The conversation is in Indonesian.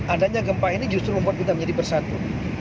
adanya gempa ini justru membuat kita menjadi bersatu